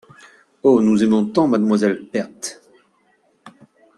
Oh ! nous aimons tant mademoiselle Berthe !…